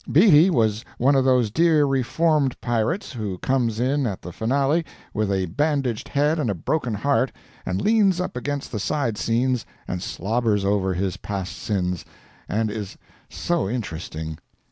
Beatty was one of those dear reformed pirates, who comes in at the finale with a bandaged head and a broken heart, and leans up against the side scenes and slobbers over his past sins, and is so interesting.